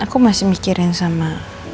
aku masih mikirin sama